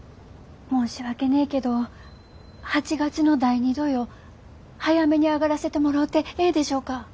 申し訳ねえけど８月の第２土曜早めに上がらせてもろうてええでしょうか？